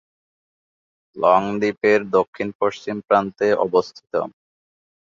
Long দ্বীপের দক্ষিণ-পশ্চিম প্রান্তে অবস্থিত।